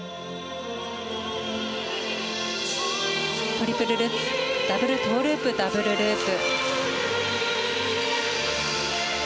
トリプルルッツダブルトウループダブルループ。